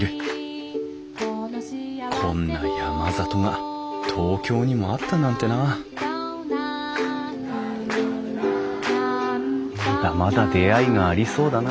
こんな山里が東京にもあったなんてなあまだまだ出会いがありそうだな。